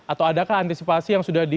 atau adakah antisipasi yang sudah di